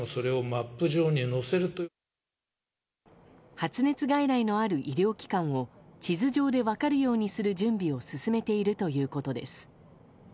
発熱外来のある医療機関を地図上で分かるようにする準備を進めているということです。